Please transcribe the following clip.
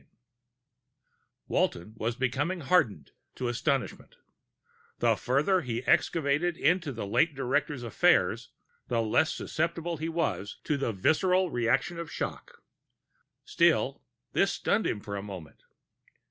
VIII Walton was becoming hardened to astonishment; the further he excavated into the late director's affairs, the less susceptible he was to the visceral reaction of shock. Still, this stunned him for a moment.